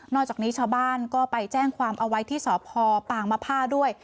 จากนี้ชาวบ้านก็ไปแจ้งความเอาไว้ที่สพปางมภาด้วย